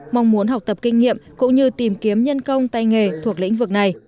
mong muốn học tập kinh nghiệm cũng như tìm kiếm nhân công tay nghề thuộc lĩnh vực này